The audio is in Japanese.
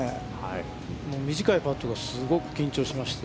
短いパットがすごく緊張しまして。